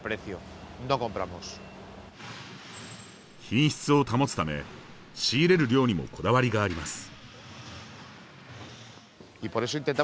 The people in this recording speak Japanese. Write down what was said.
品質を保つため仕入れる量にもこだわりがあります。